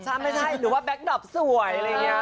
ใช่ไม่ใช่หรือว่าแบ็คดอปสวย